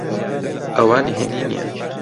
ئەوە نهێنی نییە.